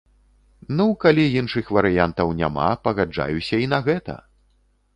Ну, калі іншых варыянтаў няма, пагаджаюся і на гэта.